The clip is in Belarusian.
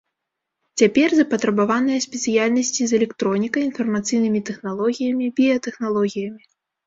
Цяпер запатрабаваныя спецыяльнасці з электронікай, інфармацыйнымі тэхналогіямі, біятэхналогіямі.